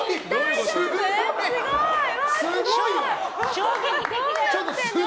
衝撃的だよ。